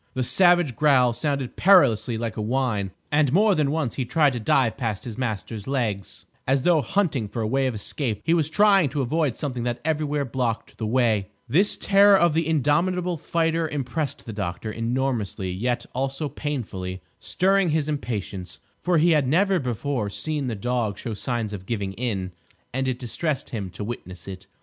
The savage growl sounded perilously like a whine, and more than once he tried to dive past his master's legs, as though hunting for a way of escape. He was trying to avoid something that everywhere blocked the way. This terror of the indomitable fighter impressed the doctor enormously; yet also painfully; stirring his impatience; for he had never before seen the dog show signs of giving in, and it distressed him to witness it.